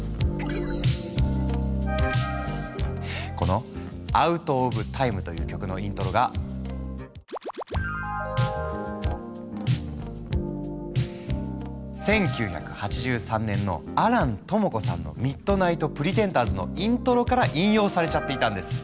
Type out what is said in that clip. この「ＯｕｔｏｆＴｉｍｅ」という曲のイントロが１９８３年の亜蘭知子さんの「ＭｉｄｎｉｇｈｔＰｒｅｔｅｎｄｅｒｓ」のイントロから引用されちゃっていたんです。